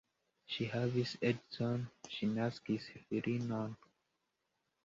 Ŝi havis edzon, ŝi naskis filinon.